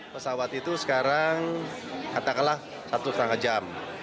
pesawat itu sekarang katakanlah satu setengah jam